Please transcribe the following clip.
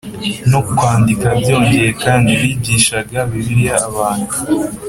No kwandika byongeye kandi bigishaga bibiliya abantu